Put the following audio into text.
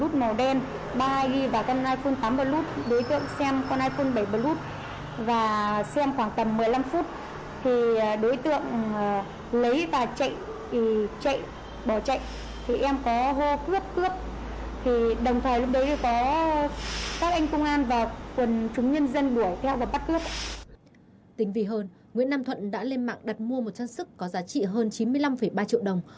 tình vi hơn nguyễn nam thuận đã lên mạng đặt mua một trang sức có giá trị hơn chín mươi năm ba triệu đồng